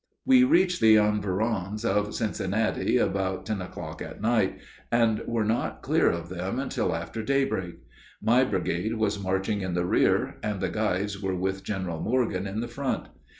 ] We reached the environs of Cincinnati about ten o'clock at night, and were not clear of them until after daybreak. My brigade was marching in the rear, and the guides were with General Morgan in the front.